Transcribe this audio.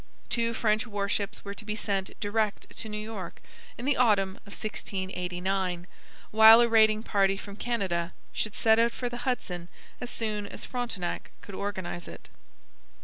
Two French warships were to be sent direct to New York in the autumn of 1689, while a raiding party from Canada should set out for the Hudson as soon as Frontenac could organize it.